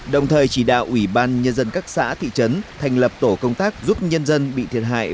đồng thời chỉ đạo ủy ban nhân dân các xã thị trấn thành lập tổ công tác giúp nhân dân bị thiệt hại